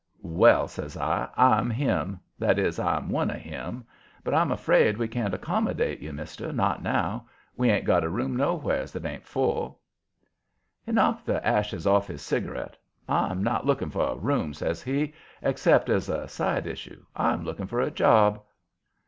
"Well," says I, "I'm him; that is, I'm one of him. But I'm afraid we can't accommodate you, mister, not now. We ain't got a room nowheres that ain't full." He knocked the ashes off his cigarette. "I'm not looking for a room," says he, "except as a side issue. I'm looking for a job."